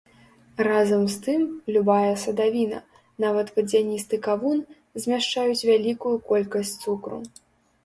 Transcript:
Разам з тым, любая садавіна, нават вадзяністы кавун, змяшчаюць вялікую колькасць цукру.